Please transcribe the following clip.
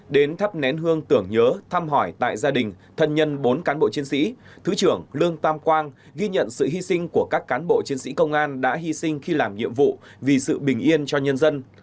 đến thắp nén hương tưởng nhớ thăm hỏi tại gia đình thân nhân bốn cán bộ chiến sĩ thứ trưởng lương tam quang ghi nhận sự hy sinh của các cán bộ chiến sĩ công an đã hy sinh khi làm nhiệm vụ vì sự bình yên cho nhân dân